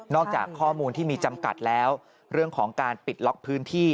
จากข้อมูลที่มีจำกัดแล้วเรื่องของการปิดล็อกพื้นที่